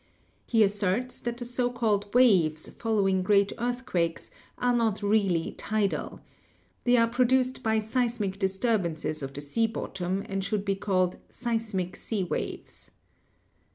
He asserts that the so called waves following great earthquakes are not really "tidal." They are produced by seismic disturb ances of the sea bottom, and should be called "seismic sea waves."